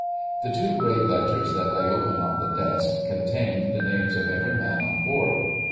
The two great ledgers that lay open on the desk contained the names of every man on board.